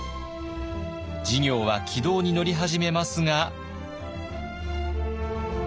事業は軌道に乗り始めますが。